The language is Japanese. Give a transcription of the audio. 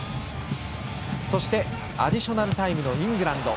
アディショナルタイムのイングランド。